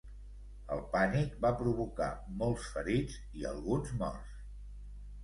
El pànic va provocar molts ferits i alguns morts.